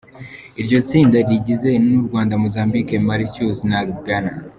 Iryo tsinda rigizwe n’u Rwanda, Mozambique, Mauritius na Ghana.